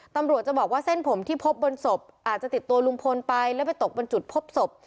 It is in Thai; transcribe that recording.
ตำรวจจะบอกว่าเส้นผมที่พบบนศพอาจจะติดตัวลุงพลไปแล้วไปตกบนจุดพบศพ